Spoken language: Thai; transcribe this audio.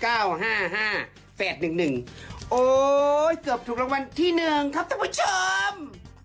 โอ้โหเกือบถูกรางวัลที่๑ครับท่านผู้ชม